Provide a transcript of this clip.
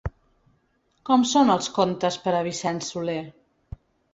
Com són els comptes per a Vicent Soler?